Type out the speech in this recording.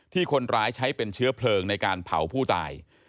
ที่คนร้ายใช้เป็นเชื้อเพลิงในการเผาผู้ตาย